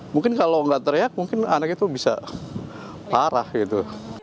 mungkin kalau nggak teriak mungkin anak itu bisa parah gitu